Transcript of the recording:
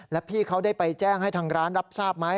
แล้วพี่เขาได้ไปแจ้งให้ทางร้านรับทราบไหม